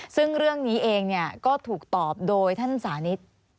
ซึ่งเรื่องนี้เองก็ถูกตอบโดยท่านสานิท